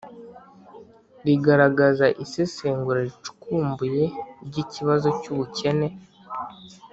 rigaragaza isesengura ricukumbuye ry'ikibazo cy'ubukene